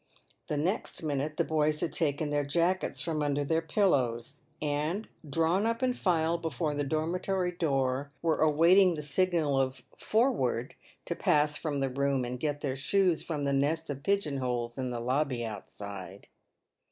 The next minute the boys had taken their jackets from under their pillows, and, drawn up in file before the dormitory door, were await ing the signal of "forward" to pass from the room and get their shoes from the nest of pigeon holes in the lobby outside.